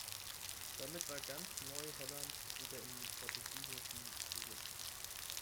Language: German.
Damit war ganz Neu-Holland wieder in portugiesischem Besitz.